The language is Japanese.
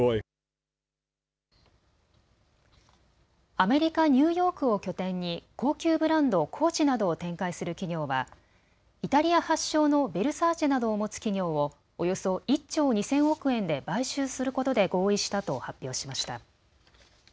アメリカ・ニューヨークを拠点に高級ブランド、コーチなどを展開する企業はイタリア発祥のヴェルサーチェなどを持つ企業をおよそ１兆２０００億円で買収することで合意したと発表しました。